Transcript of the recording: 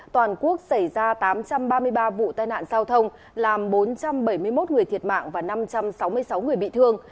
toàn quốc xảy ra tám trăm ba mươi ba vụ tai nạn giao thông làm bốn trăm bảy mươi một người thiệt mạng và năm trăm sáu mươi sáu người bị thương